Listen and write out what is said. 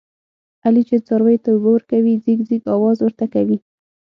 علي چې څارویو ته اوبه ورکوي، ځیږ ځیږ اواز ورته کوي.